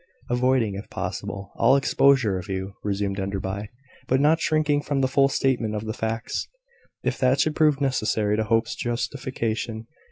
"Avoiding, if possible, all exposure of you," resumed Enderby, "but not shrinking from the full statement of the facts, if that should prove necessary to Hope's justification.